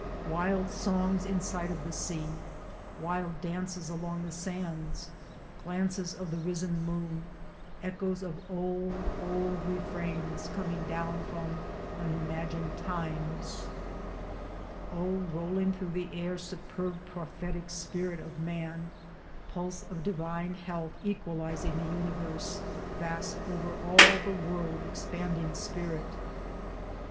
Wild songs in sight of the sea, wild dances along the sands, glances of the risen moon, echoes of old old refrains coming down from unimagined times ! O rolling through the air superb prophetic spirit of Man, pulse of divine health equalising the universe, vast over all the world expanding spirit